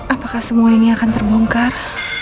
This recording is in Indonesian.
apakah semua ini akan terbongkar